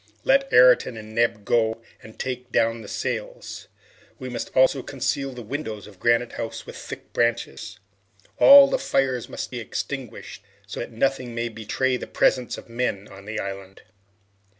Let Ayrton and Neb go and take down the sails. We must also conceal the windows of Granite House with thick branches. All the fires must be extinguished, so that nothing may betray the presence of men on the island."